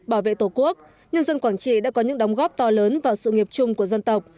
bảo vệ tổ quốc nhân dân quảng trị đã có những đóng góp to lớn vào sự nghiệp chung của dân tộc